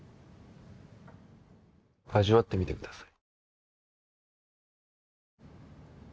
味わってみてください